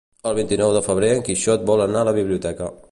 El vint-i-nou de febrer en Quixot vol anar a la biblioteca.